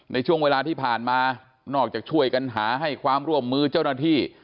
ในช่วงเวลาที่ผ่านมานอกจากช่วยกันหาให้ความร่วมมือเจ้าหน้าที่